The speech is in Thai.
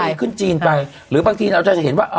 ขึ้นจีนไปหรือบางทีเราจะเห็นว่า